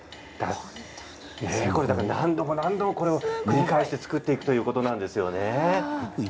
何度も何度も繰り返して作っていくということなんですね。